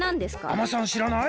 海女さんしらない？